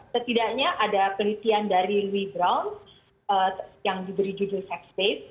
setidaknya ada penelitian dari louis brown yang diberi judul sex pace